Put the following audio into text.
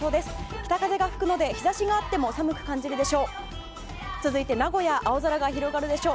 北風が吹くので日差しがあっても寒く感じるでしょう。